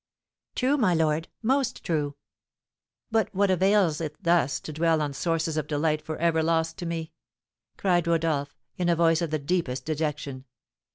"True, my lord, most true!" "But what avails it thus to dwell on sources of delight for ever lost to me?" cried Rodolph, in a voice of the deepest dejection.